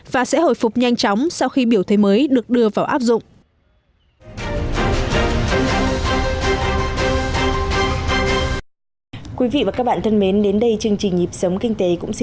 và sẽ hồi phục nhanh chóng sau khi biểu thuế mới được đưa vào áp dụng